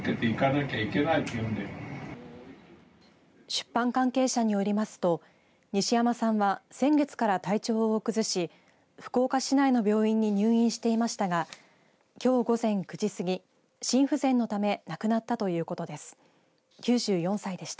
出版関係者によりますと西山さんは先月から体調を崩し福岡市内の病院に入院していましたがきょう午前９時過ぎ心不全のため亡くなったということです。